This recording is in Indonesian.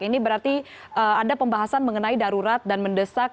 ini berarti ada pembahasan mengenai darurat dan mendesak